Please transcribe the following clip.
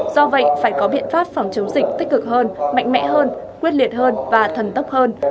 do vậy phải có biện pháp phòng chống dịch tích cực hơn mạnh mẽ hơn quyết liệt hơn và thần tốc hơn